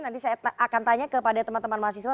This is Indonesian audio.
nanti saya akan tanya kepada teman teman mahasiswa